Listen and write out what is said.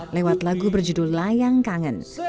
lewat lagu berjudul layang kangen